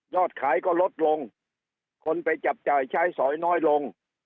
ขายก็ลดลงคนไปจับจ่ายใช้สอยน้อยลง